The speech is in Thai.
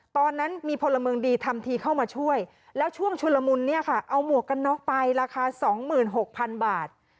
ตอนนั้นมีพลเมืองดีทำทีเข้ามาช่วยแล้วช่วงชุลมุนเนี่ยค่ะเอาหมวกกันน็อกไปราคา๒๖๐๐๐บาท